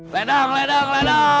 ledang ledang ledang